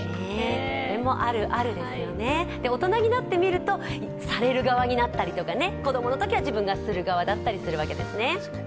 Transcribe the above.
これも、あるあるですよね、大人になってみると、される側になったりとか子供のときは自分がする側だったりするわけですね。